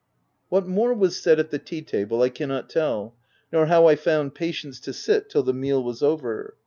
'* What more was said at the tea table I cannot tell ; nor how I found patience to sit till the meal was over.